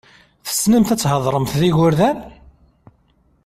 Tessnemt ad theḍṛemt d igurdan?